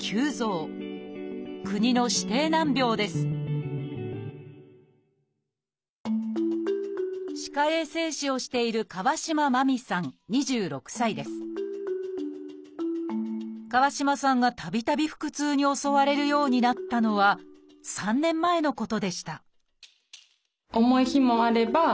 国の指定難病です歯科衛生士をしている川島さんがたびたび腹痛に襲われるようになったのは３年前のことでした